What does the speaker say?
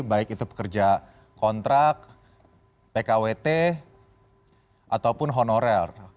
baik itu pekerja kontrak pkwt ataupun honorer